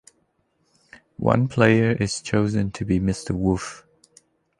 One player is chosen to be Mr Wolf.